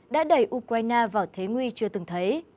đã đẩy ukraine vào thế nguy chưa từng thấy